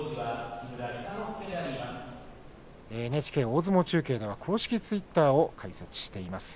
ＮＨＫ大相撲中継では公式ツイッターを開設しています。